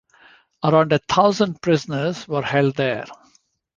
Around a thousand prisoners were held there.